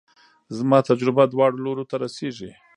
زما تجربه دواړو لورو ته رسېږي.